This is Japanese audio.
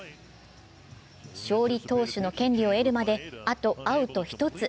勝利投手の権利を得るまであとアウト１つ。